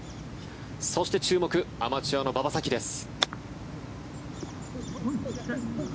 そして、注目アマチュアの馬場咲希です。